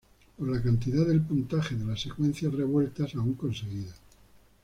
Por la cantidad del puntaje de las secuencias revueltas aún conseguidas.